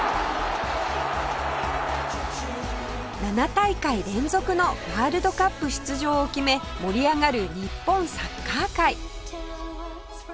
７大会連続のワールドカップ出場を決め盛り上がる日本サッカー界